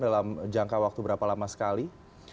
dalam jangka waktu berapa lama sekali